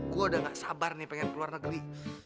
gua udah nggak sabar nih pengen keluar negeri